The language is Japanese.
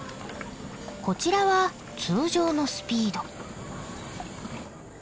こちらは通常のスピード。